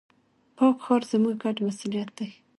پاک ښار، زموږ ګډ مسؤليت دی.